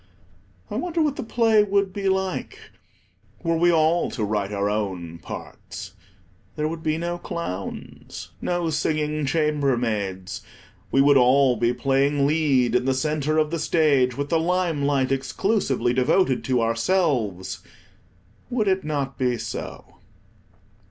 I wonder what the play would be like, were we all to write our own parts. There would be no clowns, no singing chambermaids. We would all be playing lead in the centre of the stage, with the lime light exclusively devoted to ourselves. Would it not be so?